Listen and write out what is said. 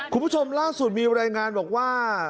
คุณผู้ชมล่าสุดมีรายงานบอกว่า